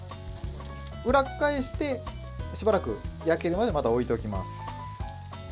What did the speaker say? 裏返して、しばらく焼けるまでまだ置いておきます。